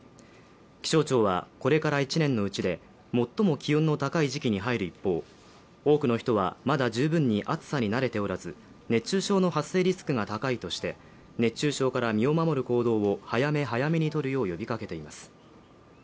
気象庁はこれから１年のうちで最も気温の高い時期に入る一方、多くの人はまだ十分に暑さに慣れておらず熱中症の発生リスクが高いとして熱中症から身を守る行動を早め早めにとるよう呼びかけています。